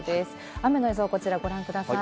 雨の予想をご覧ください。